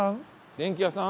電器屋さん？